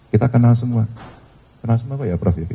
kita kenal semua kenal semua apa ya prof ivi